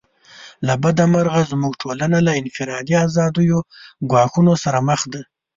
له بده مرغه زموږ ټولنه له انفرادي آزادیو ګواښونو سره مخ ده.